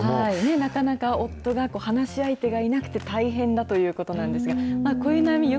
なかなか、夫が話し相手がいなくて大変だということなんです